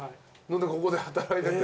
ここで働いてて。